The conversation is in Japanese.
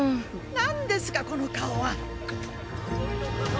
なんですかこの顔は！